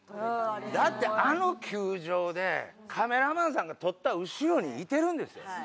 だってあの球場でカメラマンさんが撮った後ろにいてるんですよ。